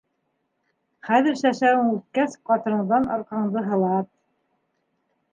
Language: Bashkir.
Хәҙер сәсәүең үткәс, ҡатыныңдан арҡаңды һылат.